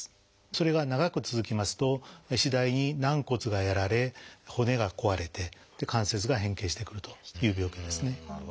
それが長く続きますと次第に軟骨がやられ骨が壊れて関節が変形してくるという病気ですね。